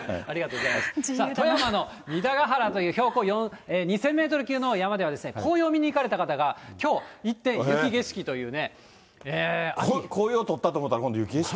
さあ、富山の弥陀ヶ原という２０００メートル級の山では紅葉を見に行かれた方が、きょう一転、雪景色というね、紅葉撮ったと思ったら、今度、雪景色。